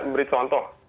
saya beri contoh